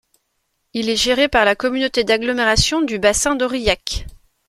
Il est géré par la Communauté d'Agglomération du Bassin d'Aurillac.